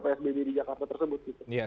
psbb di jakarta tersebut